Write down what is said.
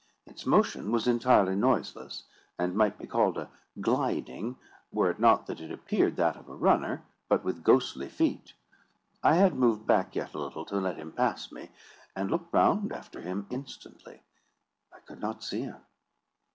Its motion was entirely noiseless, and might be called a gliding, were it not that it appeared that of a runner, but with ghostly feet. I had moved back yet a little to let him pass me, and looked round after him instantly. I could not see him.